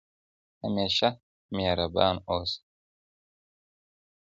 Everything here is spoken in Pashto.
همېشه مېربان اوسه.